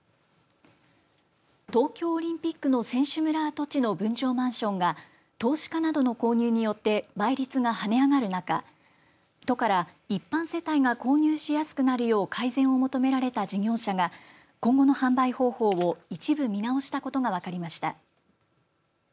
跡地の分譲マンションが投資家などの購入によって倍率が跳ね上がる中都から一般世帯が購入しやすくなるよう改善を求められた事業者が今後の販売方法を一部見直したことが分かりました。